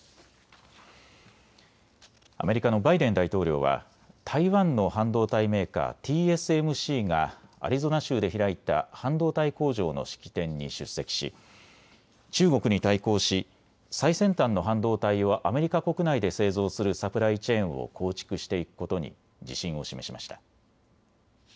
アメリカのバイデン大統領は台湾の半導体メーカー、ＴＳＭＣがアリゾナ州で開いた半導体工場の式典に出席し中国に対抗し最先端の半導体をアメリカ国内で製造するサプライチェーンを構築していくことに自信を示しました。